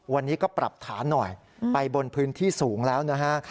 วันนี้ก็ปรับฐานหน่อยไปบนพื้นที่สูงแล้วนะฮะ